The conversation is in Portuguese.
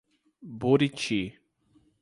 Buriti